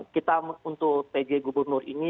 kita untuk pg gubernur ini